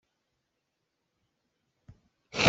Ka tithawl a zut i ka thil a ka hlenh dih.